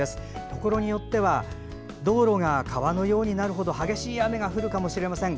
ところによっては道路が川のようになる程の激しい雨が降るかもしれません。